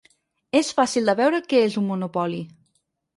És fàcil de veure què és un monopoli.